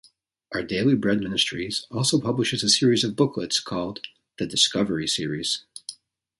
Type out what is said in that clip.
Our Daily Bread Ministries also publishes a series of booklets called "The Discovery Series".